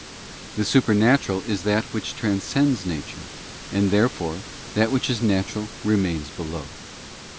The supernatural is that which transcends nature, and, therefore, that which is natural re mains below.